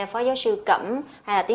phó giáo sư cẩm hay là tiến sĩ thông